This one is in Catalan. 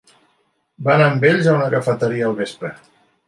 Va anar amb ells a una cafeteria al vespre.